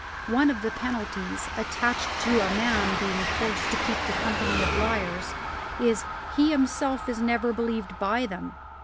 One of the penalties attached to a man being forced to keep the company of liars is, he himself is never believed by them.